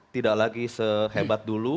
tidak lagi sehebat dulu